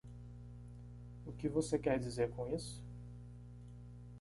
O que você quer dizer com isso?